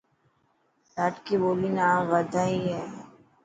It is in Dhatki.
ڌاٽڪي ٻولي نا وڌائي هي.